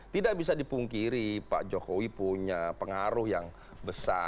tidak bisa dipungkiri pak jokowi punya pengaruh yang besar